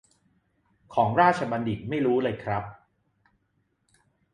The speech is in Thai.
ของราชบัณฑิตไม่รู้เลยครับ